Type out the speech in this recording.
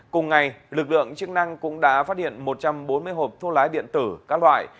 cùng ngày lực lượng chức năng cũng đã phát hiện một trăm bốn mươi hộp thuốc lá điện tử các loại